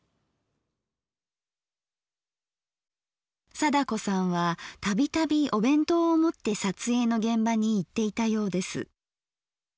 貞子さんは度々お弁当を持って撮影の現場に行っていたようです。